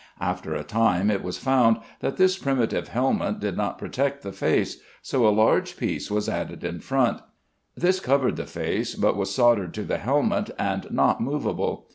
After a time it was found that this primitive helmet did not protect the face; so a large piece was added in front. This covered the face, but was soldered to the helmet and not movable.